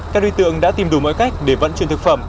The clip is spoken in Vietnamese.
các đối tượng đã tìm đủ mọi cách để vận chuyển thực phẩm